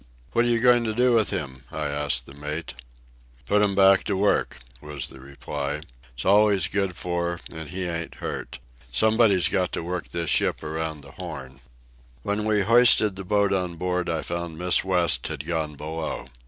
"What are you going to do with him?" I asked the mate. "Put 'm back to work," was the reply. "It's all he's good for, and he ain't hurt. Somebody's got to work this ship around the Horn." When we hoisted the boat on board I found Miss West had gone below.